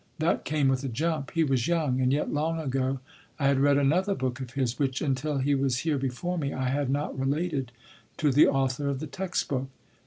That came with a jump. He was young and yet long ago I had read another book of his, which, until he was here before me, I had not related to the author of the text book.